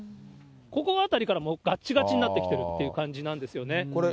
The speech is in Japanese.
ここ辺りからもうがっちがちになってきてる感じなんですよね。